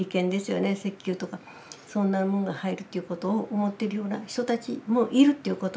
石油とかそんなものが入るということを思ってるような人たちもいるということ。